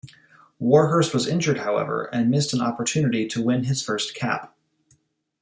Warhurst was injured, however, and missed an opportunity to win his first cap.